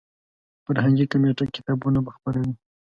فرهنګي کمیټه کتابونه به خپروي.